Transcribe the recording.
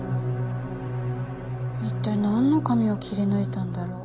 一体なんの紙を切り抜いたんだろう？